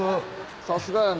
さすがやね